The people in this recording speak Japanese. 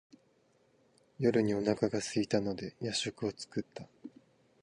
夜にお腹がすいたので夜食を作った。